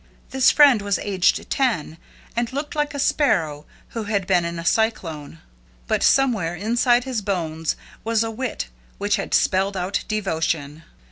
This friend was aged ten, and looked like a sparrow who had been in a cyclone, but somewhere inside his bones was a wit which had spelled out devotion.